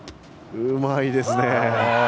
うまいですね。